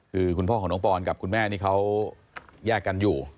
คือคุณพ่อของน้องปอนกับคุณแม่นี่เขาแยกกันอยู่